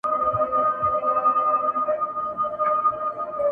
غېږه تشه ستا له سپینو مړوندونو،